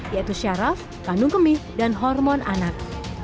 yaitu syaraf kandung kemih dan hormon anak